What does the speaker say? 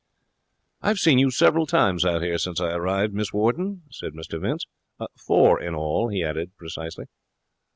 'I've seen you several times out here since I arrived, Miss Warden,' said Mr Vince. 'Four in all,' he added, precisely.